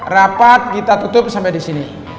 rapat kita tutup sampai disini